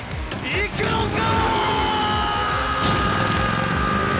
行くのか‼